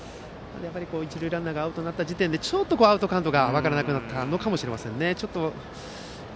一塁ランナーがアウトになった時点でちょっとアウトカウントが分からなくなったのかもしれないです。